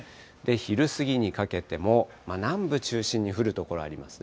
昼過ぎにかけても、南部中心に降る所ありますね。